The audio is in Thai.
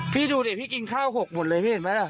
พี่ดูดิพี่กินข้าว๖หมดเลยพี่เห็นไหมล่ะ